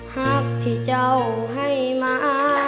หากที่เจ้าให้มา